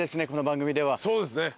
そうですね。